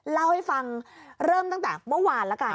เล่าให้ฟังเริ่มตั้งแต่เมื่อวานแล้วกัน